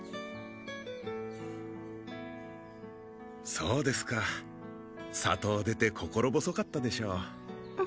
そうですか里を出て心細かったでしょう